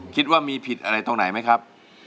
คิดว่ามีผิดอะไรตรงไหนไหมครับ